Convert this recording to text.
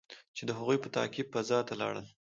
چې د هغې په تعقیب فضا ته لاړل.